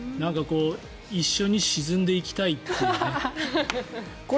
一緒に沈んでいきたいというね。